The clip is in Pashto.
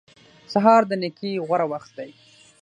سهار د نېکۍ غوره وخت دی.